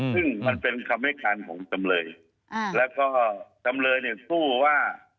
ซึ่งมันเป็นคำให้การของจำเลยแล้วก็จำเลยเนี่ยสู้ว่า